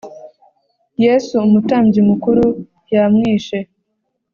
Yesu umutambyi mukuru yamwishe